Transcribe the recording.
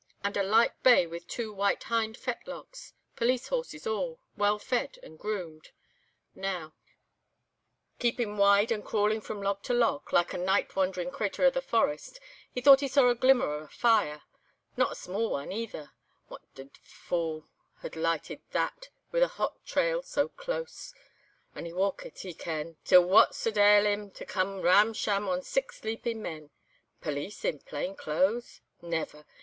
And a light bay with two white hind fetlocks. Police horses all, well fed and groomed. Now where was the camp? "Keeping wide and crawling from log to log, like a night wandering crater o' the forest, he thought he saw a glimmer o' a fire—not a small one either. What d—d fool had lighted that, with a hot trail so close? So he walkit, ye ken, till what suld ail him to come ram sham on six sleeping men. Police in plain clothes? Never!